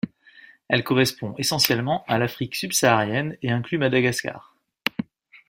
Elle correspond essentiellement à l'Afrique subsaharienne et inclut Madagascar.